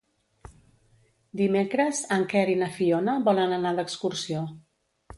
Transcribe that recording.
Dimecres en Quer i na Fiona volen anar d'excursió.